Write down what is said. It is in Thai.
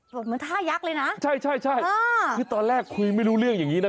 เหมือนท่ายักษ์เลยนะใช่ใช่คือตอนแรกคุยไม่รู้เรื่องอย่างงี้นะ